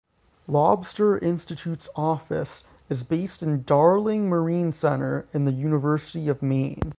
Lobster Institute’s office is based in Darling Marine Center in the University of Maine.